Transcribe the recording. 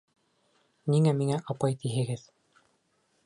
Ниңә миңә «апай» тиһегеҙ?